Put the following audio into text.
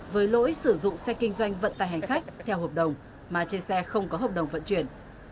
với lỗi sử dụng xe kinh doanh vận tài hành khách theo hợp đồng mà trên xe không có hợp đồng vận chuyển